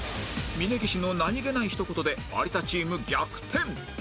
峯岸の何げないひと言で有田チーム逆転